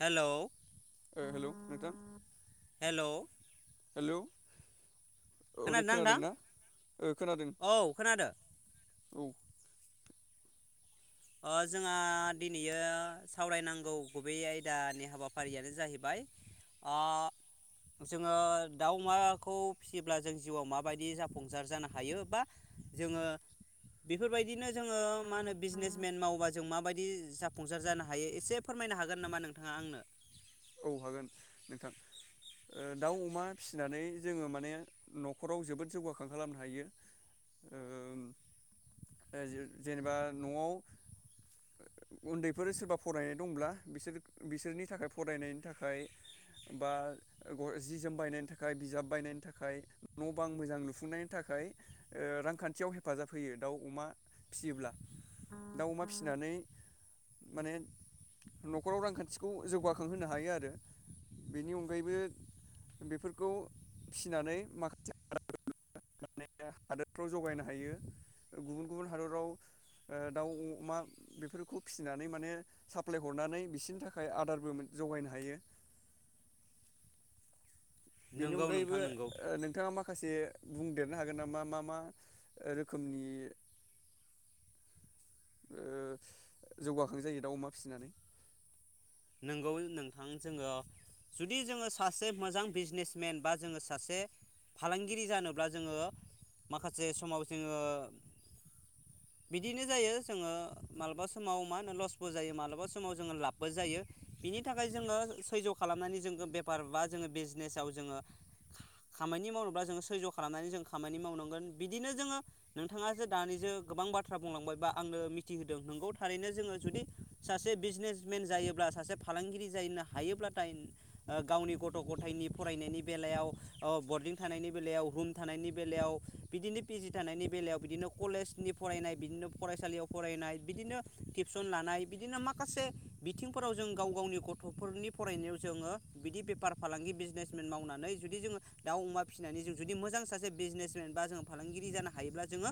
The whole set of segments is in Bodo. हेलौ ओ हेलौ नोंथां हेलौ हेलौ औ दे खोनादोंना खोनादों नोंथां ना ओ खोनादों औ खोनादो औ ओ जोंहा दिनैयो सावरायनांगौ गुबै आयदानि हाबाफारियानो जाहैबाय ओ जोङो दाउ अमाखौ फिसियोब्ला जों जिउआव माबायदि जाफुंसार जानो हायो बा जोङो बेफोरबायदिनो जोङो मा होनो बिजनेस मेन्ट मावोबा जों माबायदि जाफुंसार जानो हायो एसे फोरमायनो हागोन नामा नोंथाङा आंनो औ हागोन नोंथां दाउ ओ अमा फिसिनानै जोङो माने न'खराव जोबोद जौगाखां खालामनो हायो ओ जेनेबा न'आव उन्दैफोर सोरबा फरायनाय दंब्ला बिसोर बिसोरनि थाखाय फरायनायनि थाखाय बा जि जोम बायनायनि थाखाय बिजाब बायनायनि थाखाय न' बां मोजां लुफुंनायनि थाखाय ओ रांखान्थियाव हेफाजाब होयो दाउ अमा फिसियोब्ला दाउ अमा फिसिनानै माने न'खराव रांखान्थिखौ जौगा खांहोनो हायो आरो बेनि अनगायैबो बेफोरखौ फिसिनानै माखासे [unintelligible] हादोरफ्राव जगायनो हायो गुबुन गुबुन हादराव दाउ अमा बेफोरखौ फिसिनानै माने साप्लाय हरनानै बिसोरनि थाखाय आदारबो जगायनो हायो बेनि नोंगौ अनगायैबो नोंथां नोंगौ नोंथाङा मा खासे बुंदेरनो हागोन नामा मा मा रोखोमनि ओ जौगाखां जायो दाउ अमा फिसिनानै नंगौ नोंथां जोङो जुदि जोङो सासे मोजां बिजनेसमेन बा जोङो सासे फालांगिरि जानोब्ला जोङो माखासे समाव जोङो बिदिनो जायो जोङो मालाबा समाव मा होनो लसबो जायो मालाबा समाव जोङो लाबबो जायो बिनि थाखाय जोङो सैज्य' खालामनानै जो बेफार बा जोङो बिजनेसाव जोङो खामानि मावोब्ला जोङो सैज' खालामनानै जों खामानि मावनांगोन बिदिनो जोङो नोंथाङासो दानि जो गोबां बाथ्रा बुंलांबाय बा आंनो मिथिहोदों नंगौ थारैनो जोङो जुदि सासे बिजनेसमेन जायोब्ला सासे फालांगिरि जायनो हायोब्लाथाय गावनि गथ' गथायनि फरायनायनि बेलायाव ओ बरदिं थानायनि बेलायाव रुम थानायनि बेलायाव बिदिनो पि जि थानायनि बेलायाव बिदिनो कलेजनि फरायनाय बिदिनो फरायसालियाव फरायनाय बिदिनो टिउसन लानाय बिदिनो माखासे बिथिं फोराव जों गाव गावनि गथ'फोरनि फरायनायाव जोङो बिदि बेफार फालांगि बिजनेसमेन मावनानै जुदि जोङो दाउ अमा फिसिनानै जों जुदि मोजां सासे बिजनेसमेन बा जोङो फालांगिरि जानो हायोब्ला जोङो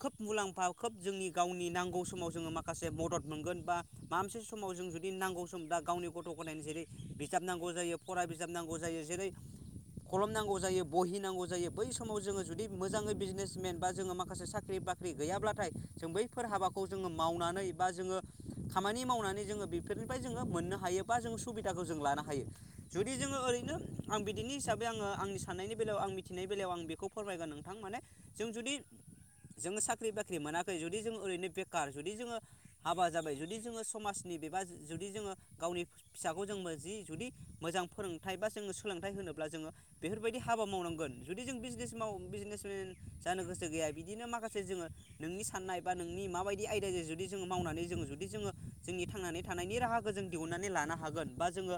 खोब मुलाम्फा खोब जोंनि गावनि नांगौ समाव जोङो माखासे मदद मोनगोन बा माबा मोनसे समाव जों जुदि नांगौ सम दा गावनि गथ' गथायनि जेरै बिजाब नांगौ जायो फरा बिजाब नांगौ जायो जेरै खलम नांगौ जायो बहि नांगौ जायो बै समाव जोङो जुदि मोजाङै बिजनेसमेन बा जोङो माखासे साख्रि बाख्रि गैयाब्लाथाय जों बैफोर हाबाखौ जोङो मावनानै बा जोङो खामानि मावनानै जोङो बेफोरनिफ्राय जोङो मोननो हायो बा जों सुबिदाखौ जों लानो हायो जुदि जोङो ओरैनो आं बिदिनि हिसाबै आङो आंनि साननायनि बेलायाव आं मिथिनायनि बेलायाव आं बेखौ फोरमायगोन नोंथां माने जों जुदि जोङो साख्रि बाख्रि मोनाखै जुदि जों ओरैनो बेखार जुदि जोङो हाबा जाबाय जुदि जोङो समाज नि बेबा जुदि जोङो गावनि फिसाखौ जों जि जुदि मोजां फोरोंथाइ बा जोङो सोलोंथाइ होनोब्ला जोङो बेफोरबायदि हाबा मावनांगोन जुदि जों बिजनेस माव बिजनेसमेन जानो गोसो गैया बिदिनो माखासे जोङो नोंनि साननाय बा नोंनि माबायदि आयदाजों जुदि जोङो मावनानै जोङो जुदि जोङो जोंनि थांनानै थानायनि राहाखौ जों दिहुनन्नानै लानो हागोन बा जोङो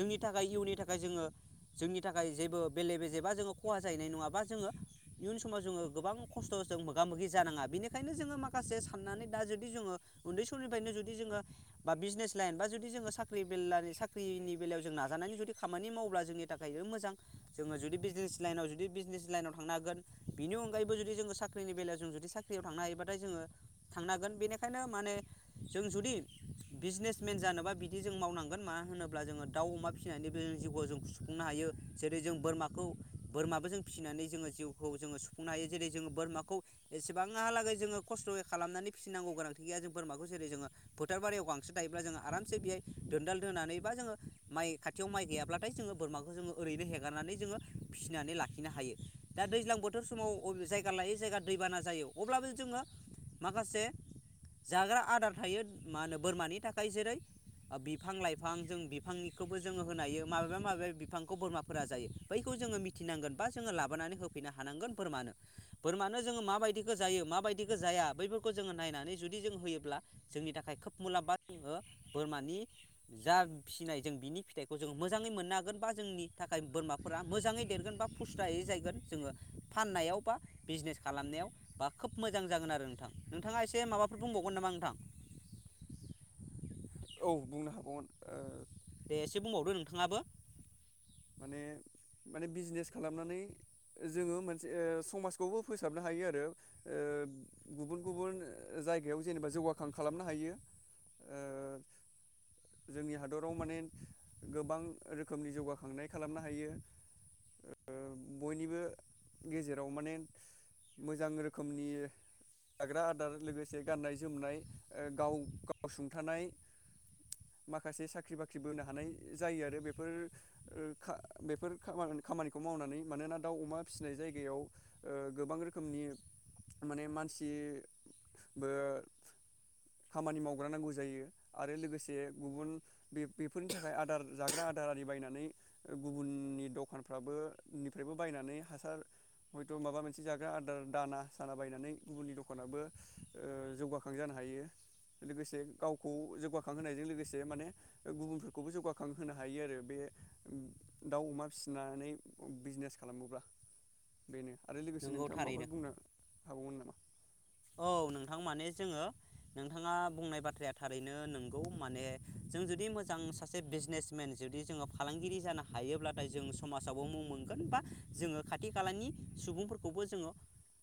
जोंनि थाखाय इयुननि थाखाय जोङो जोंनि थाखाय जेबो बेले बेजे बा जोङो खहा जाहैनाय नङाबा जोङो इयुन समाव जोङो गोबां खस्थ' जों मोगा मोगि जानाङा बेनिखायनो जोङो माखासे साननानै दा जुदि जोङो उन्दै समनिफ्रायनो जुदि जोङो बा बिजनेस लाइन बा जुदि जोङो साख्रि बेलनि साख्रिनि बेलायाव जों नाजानायनि जुदि खामानि मावब्ला जोंनि थाखाय मोजां जोङो जुदि बिजनेस लाइनाव जुदि बिजनेस लाइनाव थांनो हागोन बिनि अनगायैबो जुदि जोङो साख्रिनि बेलायाव जों जुदि साख्रियाव थांनो हायोबाथाय जोङो थांनांगोन बेनिखायनो माने जों जुदि बिजनेसमेन जानोबा बिदि जों मावनांगोन मानो होनोब्ला जोङो दाउ अमा फिसिनानैबो जों जिउखौ जों सुफुंनो हायो जेरै जों बोरमाखौ बोरमाबो जों फिसिनानै जोङो जिउखौ जोङो सुफुंनो हायो जेरै जोङो बोरमाखौ एसेबांहालागै जोङो खस्थ'यै खालामनानै फिसिनांगौ गोनांथि गैया जों बोरमाखौ जेरै जोङो फोथार बारियाव गांसो दायोब्ला जोङो आरामसे बेहाय दोनदाल दोननानै बा जोङो माइ खाथियाव माइ गैयाब्लाथाय जोङो बोरमाखौ जोङो ओरैनो हेगारनानै जोङो फिसिनानै लाखिनो हायो दा दैज्लां बोथोर समाव जायगा लायै जायगा दैबाना जायो अब्लाबो जोङो माखासे जाग्रा आदार थायो। मा होनो बोरमानि थाखाय जेरै बिफां-लाइफां जों बिफांनिखौबो जोङो होनायो माबेबा माबेबा बिफांखौ बोरमाफोरा जायो बैखौ जोङो मिथिनांगोन बा जोङो लाबोनानै होफैनो हानांगोन बोरमानो बोरमानो जोङो माबायदिखौ जायो माबायदिखौ जाया बैफोरखौ जोङो नायनानै जुदि जों होयोब्ला जोंनि थाखाय थाखाय खोब मुलाम्बा जोङो बोरमानि जा फिसिनाय जों बिनि फिथाइखौ जों मोजाङै मोननो हागोन बा जोंनि थाखाय बोरमाफोरा मोजाङै देरगोन बा फुस्थायायै जायगोन जोङो फाननायाव बा बिजनेस खालामनायाव बा खोब मोजां जागोन आरो नोंथां नोंथाङा एसे माबाफोर बुंबावगोन नामा नोंथां औ बुंनो हागौमोन। दे एसे बुंबावदो नोंथाङाबो माने माने बिजनेस खालामनानै जोङो मोनसे समाजखौबो फोसाबनो हायो आरो ओ गुबुन गुबुन जायगायाव जेनेबा जौगाखां खालामनो हायो। जोंनि हादराव माने गोबां रोखोमनि जौगाखांनाय खालामनो हायो ओ बयनिबो गेजेराव माने मोजां रोखोमनि जाग्रा आदार लोगोसे गाननाय जोमनाय गाव गाव सुंथानाय माखासे साख्रि बाख्रि बोनो हानाय जायो आरो बेफोर बेफोर खामानिखौ मावनानै मानोना दाउ अमा फिसिनाय जायगायाव गोबां रोखोमनि माने मानसिबो खामानि मावग्रा नांगौ जायो आरो लोगोसे गुबुन बे बेफोरनि थाखाय आदार जाग्रा आदार आरि बायनानै गुबुननि दखानफ्राबो निफ्रायबो बायनानै हासार हयथ' माबा मोनसे जाग्रा आदार दाना साना बायनानै गुबुननि दखानाबो जौगाखां जानो हायो लोगोसे गावखौ जौगाखां होनायजों लोगोसे माने गुबुनफोरखौबो जौगाखां होनोनो हायो आरो बे दाउ अमा फिसिनानै बिजनेस खालामोब्ला बेनो आरो लोगोसे नंगौ नोंथाङा थारैनो माबाफोर बुंनो हाबावगोन नामा? औ नोंथां माने जोङो नोंथाङा बुंनाय बाथ्राया थारैनो नोंगौ माने जों जुदि मोजां सासे बिजनेसमेन जुदि जोङो फालांगिरि जानो हायोब्लाथाय जों समाजावबो मुं मोनगोन बा जोङो खाथि खालानि सुबुंफोरखौबो जोङो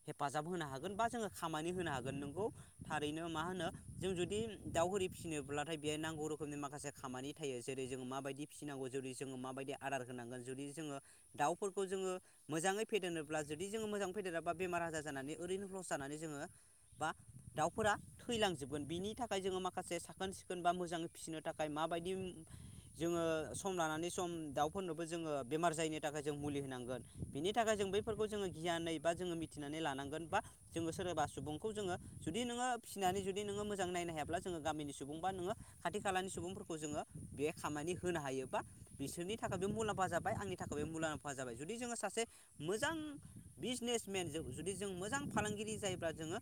हेफाजाब होनो हागोन बा जोङो खामानि होनो हागोन नोंगौ थारैनो मा होनो जों जुदि दाउ हि फिसिनोब्लाथाय बे नांगौ रोखोमनि माखासे खामानि थायो जेरै जोङो माबायदि फिसिनांगौ जुदि जोङो माबायदि आदार होनांगोन जुदि जोङो दाउफोरखौ जोङो मोजाङै फेदेरोबब्ला जुदि जोङो मोजाङै फेदेराबा बेमार आजार जानानै ओरैनो लस जानानै जोङो बा दाउफोरा थैलांजोबगोन बिनि थाखाय जोङो माखासे साखोन सिखोन बा मोजाङै फिसिनो थाखाय माबायदि जोङो सम लानानै सम दाउफोरनोबो जोङो बेमार जायैनि थाखाय जों मुलि होनांगोन बिनि थाखाय जों बैफोरखौ जोङो गियानैै बा जोङो मिथिनानै लानांगोन बा जोङो सोरबा सुबुंखौ जोङो जुदि नोङो फिसिनानै जु नोङोजां नायनो हायाब्ला जोङो गामिनि सुबुं बा नोङो खाथि खालानि सुबुंफोरखौ जोङो बे खामानि होनो हायोबा बिसोरनि थाखाय बे मुलाम्फा जाबाय आंनि थाखाय बे मुलाम्फा जाबाय जुदि जोङो सासे मोजां बिजनेसमेनजों जुदि जों मोजां फालांगिरि जायोब्ला जोङो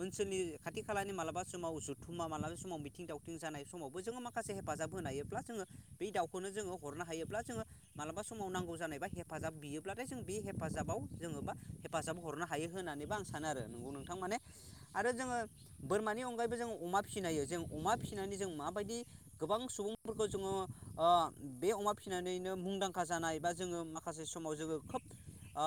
ओनसोलनि खाथि खालानि मालाबा समाव जुथुम्मा मालाबा समाव मिथिं दावथिं जानाय समावबो जोङो माखासे हेफाजाब होनो हायोब्ला जोङो बेै दाउखौनो जोङो हरनो हायोब्ला जोङो मालाबा समाव नांगौ जानाय बा हेफाजाब बियोब्लाथाय जों बे हेफाजाबाव जोङो मा हेफाजाब हरनो हायो होननानैबो आं सानो आरो नोंथां माने आरो जोङो बोरमानि अनगायैबो जोङो अमा फिसिनो हायो जों अमा फिसिनानै जों माबायदि गोबां सुबुंफोरखौ जोङो ओ बे अमा फिसिनानैनो मुंदांखा जानाय बा जोङो माखासे समाव जोङो खोब ओ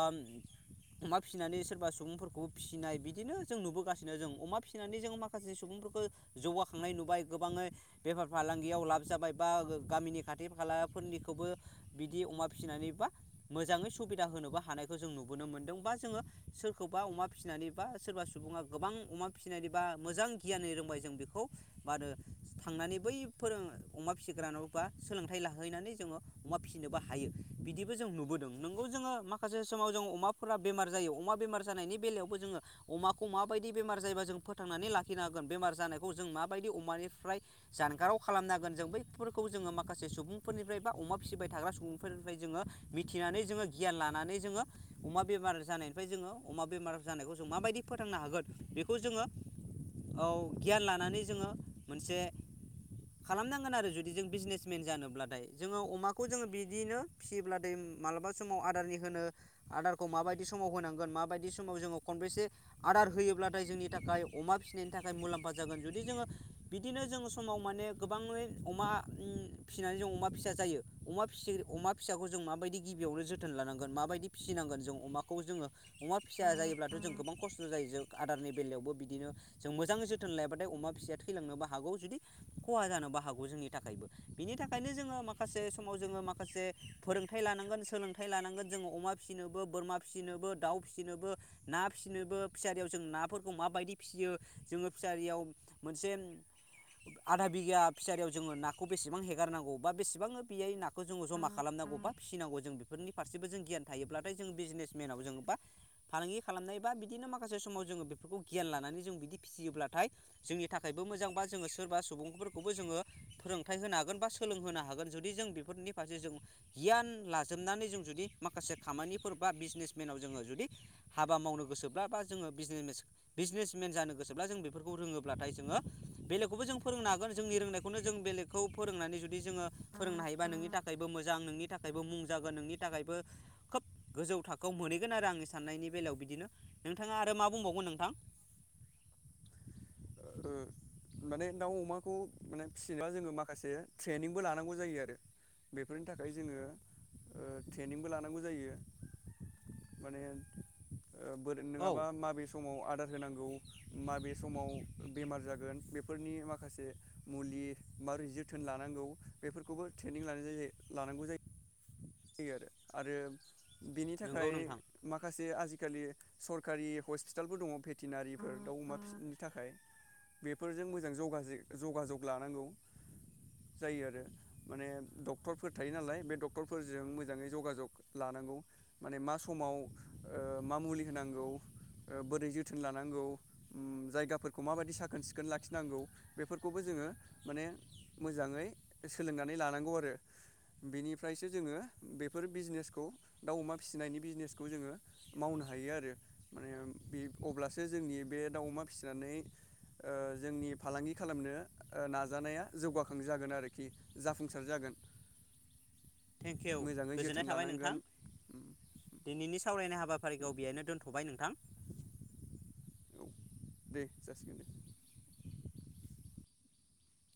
अमा फिसिनानै सोरबा सुबुंफोरखौबो फ फिसिनाय बिदिनो जों नुबोगासिनो जों अमा फिसिनानै जों माखासे सुबुंफोरखौ जौगाखांनाय नुबाय गोबाङै बेफार फालांगियाव लाब जाबाय बा गामिनि खाथि खालाफोरनिखौबो बिदि अमा फिसिनानैबा मोजाङै सुबिदा होनोबो हानायखौ जों नुबोनो मोन्दों बा जोङो सोरखौबा अमा फिसिनानै बा सोरबा सुबुङा गोबां अमा फिसिनानै बा मोजां गियान रोंबाय जों बेखौ मा होनो थांनानै बैफोरों अमा फिसिग्रानबा सोलोंथाइ लाहैनानै जोङो अमा फिसिनोबो हायो बिदिबो जों नुबोदों नोंगौ जोङो माखासे समाव जोङ अमाफोरा बेमार जायो। अमा बेमार जानायनि बेलायाव जोङो अमाखौ माबायदि बेमार जायोबा जों फोथांनानै लाखिनो हागोन बेमार जानायखौ जों माबायदि अमानिफ्राय जानगाराव खालामनो हागोन जों बैफोरखौ जोङो माखासे सुबुंफोरनिफ्राय बा अमा फिसिबाय थाग्रा सुबुंफोरनिफ्राय जोङो मिथिनानै जोङो गियान लानानै जोङो अमा बेमार जानायनिफ्राय जोङो अमा बेमार जानायखौ जों माबायदि फोथांनो हागोन बेखौ जोङो औ गियान लानानै जोङो मोनसे खालामनांगोन आरो जुदि जों बिजनेसमेन जानोब्लाथाय जोङो अमाखौ जोङो बिदिनो फिसियोब्लाथाय मालाबा समाव आदारनि होनो आदारखौ माबायदि समाव होनांगोन माबायदि समाव जोङो। खनबेसे आदार होयोब्लाथाय जोंनि थाखाय अमा फिसिनायनि थाखाय मुलाम्फा जागोन जुदि जोङो बिदिनो जोङो समाव माने गोबाङै अमा उम फिनानै जों अमा फिसा जायो अमा फि अमा फिसाखौ जों माबायदि गिबियावनो जोथोन लानांगोन माबायदि फिनांगोन जों अमाखौ जोङो अमा फिसा जायोब्ला जों गोबां खस्थ' जायो जों आदारनि बेलायावबो बिदिनो जों मोजाङै जोथोन लायाबाथाय अमा फिसिया थैलांनोबो हागौ जुदि खहा जानोबो हागौ जोंनि थाखायबो बिनि थाखायनो जोङो माखासे समाव जोङो माखासे फोरोंथाइ लानांगोन सोलोंथाइ लानांगोन जोङो अमा फिसिनोबो बोरमा फिनोबो दाउ फिनोबो ना फिसिनोबो फिसारियाव जों नाफोरखौ माबायदि फियो जोङो फिसारियाव मोनसे आधा बिगा फिसारियाव जोङो नाखौ बेसेबां हेगारनांगौ बा बेसेबां बेयै नाखौ जोङो जमा खालामनांगौ बा फिसिनांगौ जों बेफोरनि फारसेबो जों गियान थायोब्लाथाय जों बिजनेसमेनाव जो बा फालांगि खालामनाय बा बिदिनो माखासे समाव जोङो बेफोरखौ गियान लानानै जों बिदि फिसियोब्लाथाय जोंनि थाखायबो मोजां बा जोङो सोरबा सुबुंफोरखौबो जोङो फोरोंथाइ होनो हागोन बा सोलोंहोनो हागोन जुदि जों बेफोरनि फारसे जों गियान लाजोबनानै जों जुदि माखासे खामानिफोर बा बिजनेसमेनाव जोङो जुदि हाबा मावनो गोसोब्ला बा जोङो बिजनेस बिजनेसमेन जानो गोसोब्ला जों बेफोरखौ रोङोब्लाथाय जोङो बेलेगखौबो जों फोरोंनो हागोन जोंनि रोंनायखौनो जों बेलेगखौ फोरोंनानै जुदि जोङो फोरोंनो हायोबा नोंनि थाखायबो मोजां नोंनि थाखायबो मुं जागोन नोंनि थाखायबो खोब गोजौ थाखोआव मोनहैगोन आरो आंनि साननायनि बेलायाव बिदिनो नोंथाङा आरो मा बुंबावगोन नोंथां। उम माने दाउ अमाखौ माने फिसिनोबा जोङो माखासे ट्रेनिंबो लानांगौ जायो आरो बेफोरनि थाखाय जोङो ओ ट्रेनिंबो लानांगौ जायो माने ओ औ नङाबा माबे समाव आरो अर्डार होनांगौ माबे समाव बेमार जागोन बेफोरनि माखासे मुलि माबै जोथोन लानांगौ बेफोरखौबो ट्रेनिं लानाय लानांगौ जायो। यो आरो आरो बेनि नंगौ थाखाय नोंथां माखासे जे आजिखालि सरकारि हस्पिटालबो दङ भेटेनारिफोर दाउ अमा फिनि थाखाय बेफोरजों मोजां जगाजग लानांगौ जायो आरो माने डक्टरफोर थायो नालाय बे डक्टर फोरजों मोजाङै जगाजग लानांगौ माने मा समाव ओ मा मुलि होनांगौ बोरै जोथोन लानांगौ जायगाफोरखौ माबायदि साखोन सिखोन लाखिनांगौ बेफोरखौबो जोङो माने मोजाङै सोलोंनानै लानांगौ आरो बेनिफ्रायसो जोङो बेफोर बिजनेखौ दाउ अमा फिसिनायनि बिजनेखौ जोङो मावनो हायो आरो माने अब्लासो जोंनि बे दाउ अमा फिसिनानै ओ जोंनि फालांगि खालामनो नाजानाया जौगाखां जागोन आरोखि जाफुंसार जागोन। थेंकिउ मोजाङै गोजोननाय जोथोन थाबाय नोंथां लानांगोन दिनैनि सावरायनाय हाबाफारिखौ बेहायनो दोनथ'बाय नोंथां। औ दे जासिगोन दे।